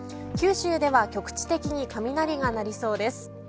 九州では局地的に雷が鳴りそうです。